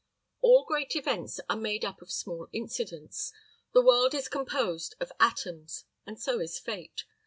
All great events are made up of small incidents. The world is composed of atoms, and so is Fate.